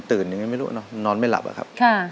ยังไงไม่รู้เนอะนอนไม่หลับอะครับ